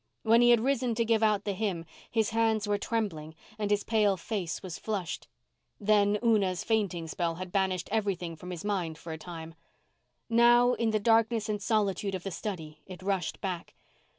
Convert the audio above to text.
When he had risen to give out the hymn his hands were trembling and his pale face was flushed. Then Una's fainting spell had banished everything from his mind for a time. Now, in the darkness and solitude of the study it rushed back.